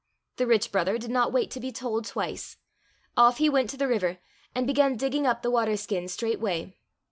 " The rich brother did not wait to be told twice. Off he went to the river, and began digging up the water skin straight way.